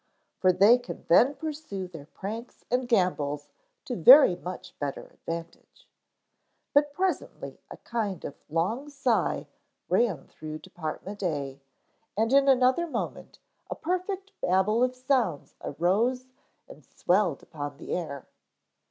For they can then pursue their pranks and gambols to very much better advantage. But presently a kind of long sigh ran through Dept. A and in another moment a perfect babel of sounds arose and swelled upon the air.